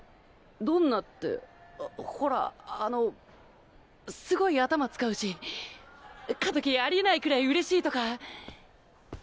どんなってほらあのすごい頭使うし勝った時ありえないくらい嬉しいとか。